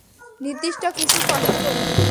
নির্দিষ্ট কিছু কথা বলব।